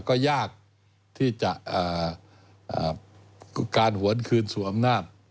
ก็ยากที่จะการหวนคืนสู่อำนาจ